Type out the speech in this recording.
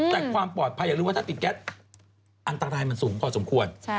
ถูกติดแก๊สอันตรายมันสูงพอสมควร